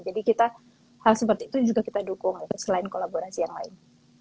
jadi hal seperti itu juga kita dukung selain kolaborasi yang lain